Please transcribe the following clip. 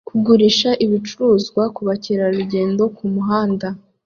Kugurisha ibicuruzwa kubakerarugendo kumuhanda